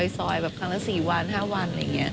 ซอยแบบครั้งละ๔วัน๕วันอะไรอย่างนี้